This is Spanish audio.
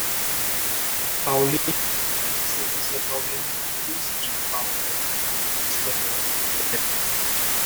Paulina al final acepta ser Paulina Martínez y no Paola Bracho y es detenida.